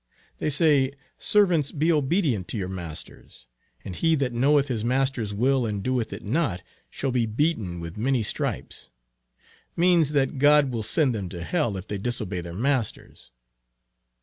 They say, "Servants be obedient to your masters; and he that knoweth his master's will and doeth it not, shall be beaten with many stripes; " means that God will send them to hell, if they disobey their masters.